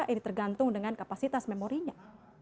ini tergantung dengan kapasitas memorinya